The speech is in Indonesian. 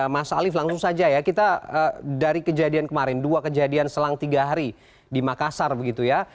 mas alif langsung saja ya kita dari kejadian kemarin dua kejadian selang tiga hari di makassar begitu ya